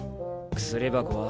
薬箱は？